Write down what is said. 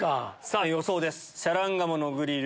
さぁ予想です。